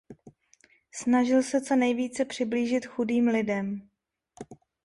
Snažil se co nejvíce přiblížit chudým lidem.